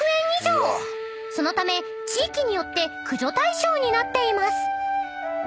［そのため地域によって駆除対象になっています］